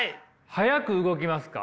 速く動きますか？